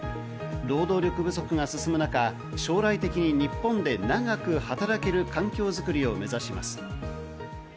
労働力不足が進む中、将来的に日本で長く働ける環境づくりを目指します。